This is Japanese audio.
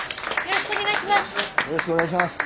よろしくお願いします。